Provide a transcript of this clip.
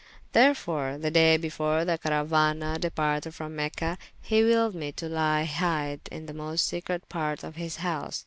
Therefore the day before the carauana departed from Mecha, he willed me to lye hydde in the most secrete parte of his house.